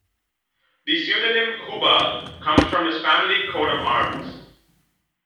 The pseudonym "Hubal" comes from his family coat of arms.